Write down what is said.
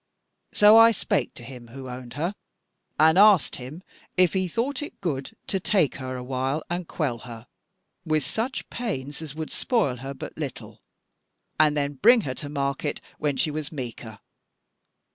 So I spake to him who owned her, and asked him if he thought it good to take her a while and quell her with such pains as would spoil her but little, and then bring her to market when she was meeker.